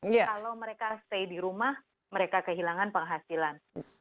kalau mereka stay di rumah mereka kehilangan penghasilan